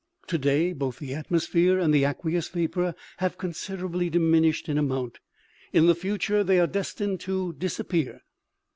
Today, both the atmos phere and aqueous vapor have considerably diminished in amount. In the future they are destined to disappear.